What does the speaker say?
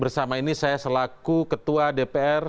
bersama ini saya selaku ketua dpr